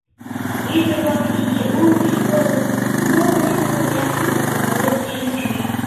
Ӱдыр-влак изи улмышт годым мо лиймым ятыр каласкален шинчышт.